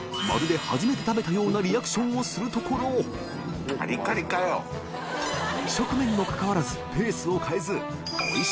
初めて食べたようなリアクションをするところ磽何椶砲かかわらずペースを変えず淵船礇鵝うまい！